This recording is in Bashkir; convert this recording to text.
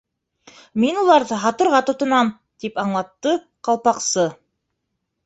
—Мин уларҙы һатырға тотонам, —тип аңлатты Ҡалпаҡсы.